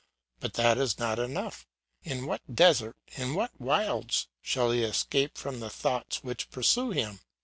But that is not enough; in what desert, in what wilds, shall he escape from the thoughts which pursue him?